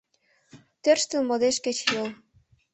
Тӧрштыл модеш кечыйол.